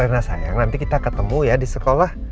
karena sayang nanti kita ketemu ya di sekolah